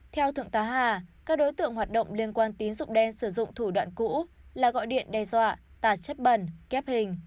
theo thượng tá hà các đối tượng hoạt động liên quan tín dụng đen sử dụng thủ đoạn cũ là gọi điện đe dọa tạt chất bẩn kép hình